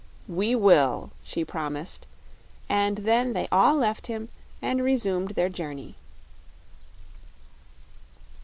"We will," she promised; and then they all left him and resumed their journey.